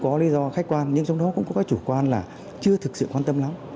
có lý do khách quan nhưng trong đó cũng có cái chủ quan là chưa thực sự quan tâm lắm